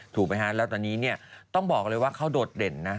ถูกไหมฮะแล้วตอนนี้เนี่ยต้องบอกเลยว่าเขาโดดเด่นนะ